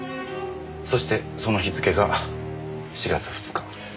そしてその日付が４月２日。